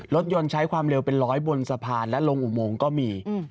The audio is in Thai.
รถยนต์ใช้ความเร็วเป็นร้อยบนสะพานและลงอุโมงก็มี